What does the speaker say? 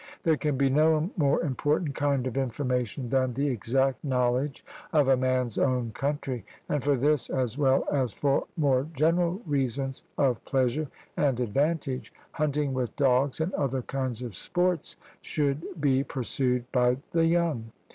There can be no more important kind of information than the exact knowledge of a man's own country; and for this as well as for more general reasons of pleasure and advantage, hunting with dogs and other kinds of sports should be pursued by the young.